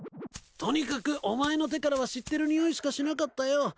とにかくお前の手からは知ってるにおいしかしなかったよ。